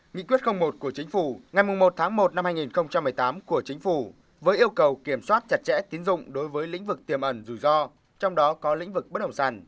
nghị quyết một của chính phủ ngày một tháng một năm hai nghìn một mươi tám của chính phủ với yêu cầu kiểm soát chặt chẽ tín dụng đối với lĩnh vực tiềm ẩn rủi ro trong đó có lĩnh vực bất động sản